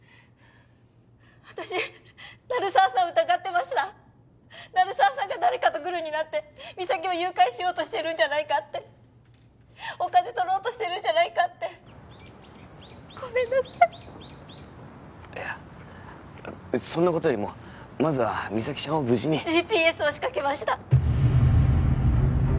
私鳴沢さんを疑ってました鳴沢さんが誰かとグルになって実咲を誘拐しようとしてるんじゃないかってお金取ろうとしてるんじゃないかって☎ごめんなさいいやそんなことよりもまずは実咲ちゃんを無事にＧＰＳを仕掛けました